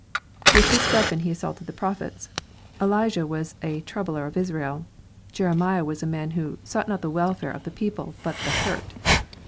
With this weapon he assaulted the prophets. Elijah was a " troubler of Israel l'^ Jeremiah was a man who " sought not the welfare of the people but the hurt